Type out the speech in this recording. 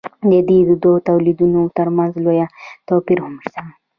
د دې دوو تولیدونو ترمنځ لوی توپیر هم شته.